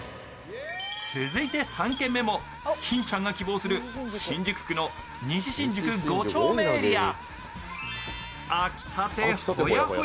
続いて３軒目も金ちゃんが希望する新宿区の西新宿５丁目エリア。